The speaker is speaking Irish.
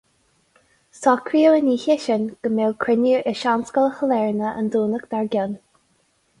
Socraíodh an oíche sin go mbeadh cruinniú i Seanscoil Shailearna an Domhnach dár gcionn.